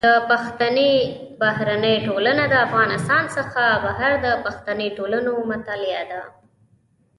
د پښتني بهرنۍ ټولنه د افغانستان څخه بهر د پښتني ټولنو مطالعه ده.